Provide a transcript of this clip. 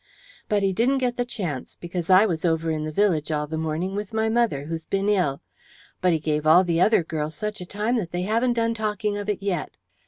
But he didn't get the chance, because I was over in the village all the morning with my mother, who's been ill. But he gave all the other girls such a time that they haven't done talking of it yet.